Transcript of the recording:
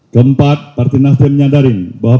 keempat partai nasdem menyadari bahwa